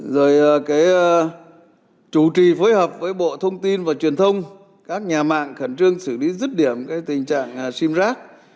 rồi cái chủ trì phối hợp với bộ thông tin và truyền thông các nhà mạng khẩn trương xử lý rứt điểm cái tình trạng sim rac